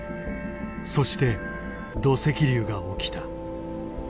そして土石流が起きた。